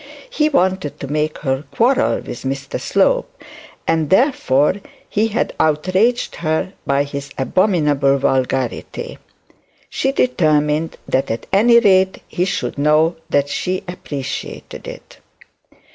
He wanted her to make her quarrel with Mr Slope, and therefore he had outraged her by his abominable vulgarity. She determined that at any rate he should know that she appreciated it.